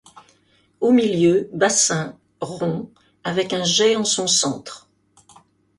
Au milieu, bassin, rond, avec un jet en son centre.